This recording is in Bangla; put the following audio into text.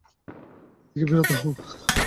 এ থেকে বিরত হও।